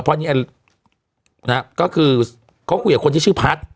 เพราะนี้ก็คือเขากลุ่ยกับคนที่ชื่อพัฒน์นะครับ